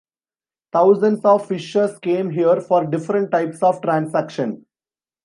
Thousands of fishers came here for different types of transaction.